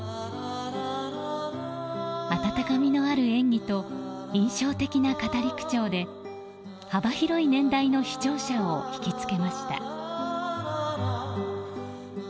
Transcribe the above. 温かみのある演技と印象的な語り口調で幅広い年代の視聴者を引き付けました。